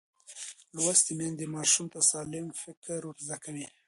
لوستې میندې ماشوم ته سالم فکر ورزده کوي.